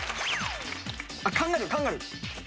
カンガルーカンガルー。